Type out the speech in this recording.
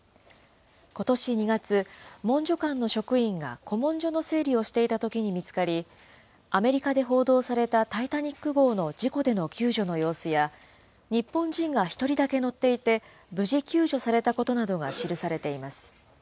ことし２月、文書館の職員が古文書の整理をしていたときに見つかり、アメリカで報道されたタイタニック号の事故での救助の様子や、日本人が１人だけ乗っていて、無事救助されたことなどが記されています。